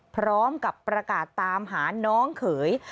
พร้อมกับประกาศตามหาน้องเขย